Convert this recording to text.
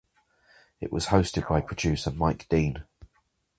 It was hosted by producer Mike Dean.